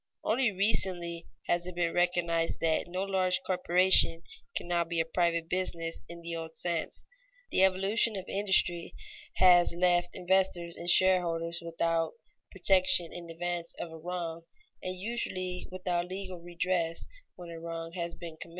Only recently has it been recognized that no large corporation can now be a private business in the old sense. The evolution of industry has left investors and shareholders without protection in advance of a wrong, and usually without legal redress when a wrong has been committed.